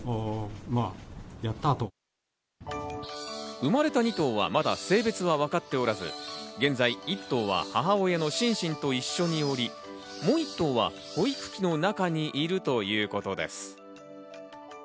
生まれた２頭はまだ性別は分かっておらず、現在１頭は母親のシンシンと一緒におり、もう１頭は保育器の中にいるということです。